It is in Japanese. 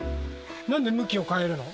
なんで向きを変えるの？